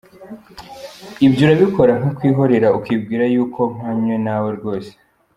Ibyo urabikora nkakwihorera, Ukibwira yuko mpwanye nawe rwose.